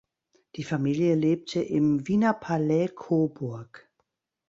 Die Familie lebte im Wiener Palais Coburg.